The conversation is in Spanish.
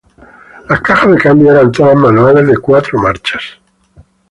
Las cajas de cambios eran todas manuales de cuatro marchas.